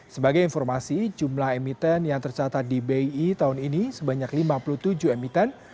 sebagai informasi jumlah emiten yang tercatat di bi tahun ini sebanyak lima puluh tujuh emiten